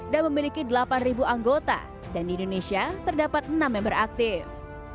dan memiliki delapan ribu anggota dan di indonesia terdapat enam member aktif